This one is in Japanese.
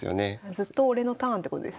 ずっと俺のターンってことですね。